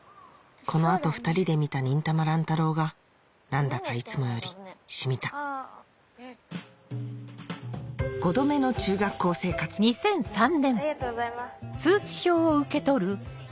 この後２人で見た『忍たま乱太郎』が何だかいつもより染みた５度目の中学校生活ありがとうございます。